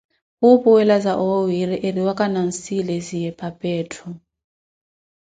Khupuwelaza oowiiri eriwaka naasilesiye papa etthu.